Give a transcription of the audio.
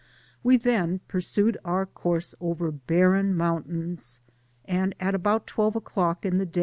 We then pursued our course over barren niountains> and at about twelve o^clock in the.